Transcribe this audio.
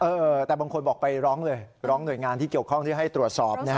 เออแต่บางคนบอกไปร้องเลยร้องหน่วยงานที่เกี่ยวข้องที่ให้ตรวจสอบนะฮะ